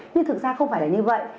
nhưng thực ra không phải là như vậy